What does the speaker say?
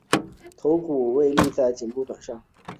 头颅骨位在短颈部上。